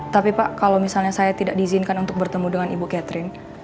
tapi pak kalau misalnya saya tidak diizinkan untuk bertemu dengan ibu catherine